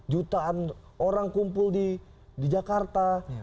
jutaan orang kumpul di jakarta